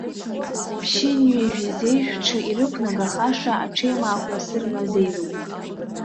Ԥшьынҩажәи зеижә ҽы ирықәнагахаша аҽеимаақәа сырмазеироуп.